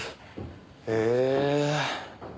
へぇ。